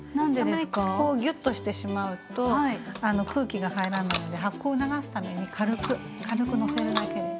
あまりここをぎゅっとしてしまうと空気が入らないので発酵を促すために軽くのせるだけで。